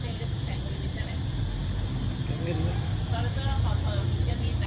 সে যে যৌবনে পা ফেলিয়াছে এখনো নিজের কাছে সে খবরটি তাহার পৌঁছে নাই।